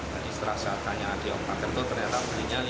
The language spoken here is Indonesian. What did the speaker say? tadi setelah saya tanya di operator ternyata belinya lima puluh